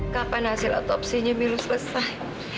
kapan hasil atopsinya milo selesai